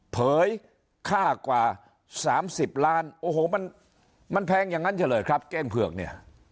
เผยค่ากว่า๓๐ล้านโอ้โหมันแพงอย่างนั้นเฉลยครับเก้งเผือกเนี่ย